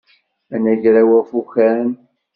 Anagraw afukan.